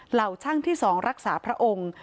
เหล่าช่างที่๒รักษาพระองค์